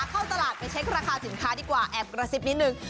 เข้าตลาดไปเช็คราคาสินค้าดีกว่าแอบกระซิบนิดนึง